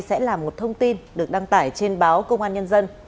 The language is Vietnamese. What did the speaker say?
sẽ là một thông tin được đăng tải trên báo công an nhân dân